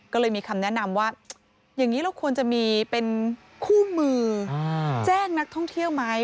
ก็เลยมีคำแนะนำว่าอย่างนี้เราควรจะมีเป็นคู่มือแจ้งนักท่องเที่ยวไหม